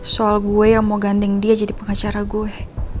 soal gue yang mau gandeng dia jadi pengacara gue